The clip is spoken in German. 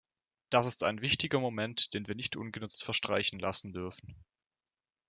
Das ist ein wichtiger Moment, den wir nicht ungenutzt verstreichen lassen dürfen.